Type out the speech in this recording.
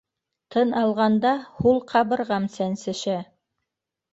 Тын алғанда, һул-ҡабырғам сәнсешә.